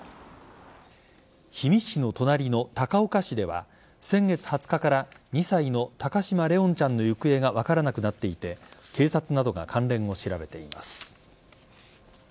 氷見市の隣の高岡市では先月２０日から２歳の高嶋怜音ちゃんの行方が分からなくなっていて警察などが関連を調べています。